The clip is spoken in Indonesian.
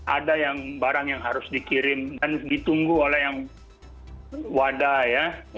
ada yang barang yang harus dikirim dan ditunggu oleh yang wada ya